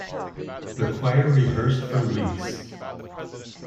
The Choir rehearsed for weeks.